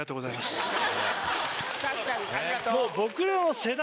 確かにありがとう！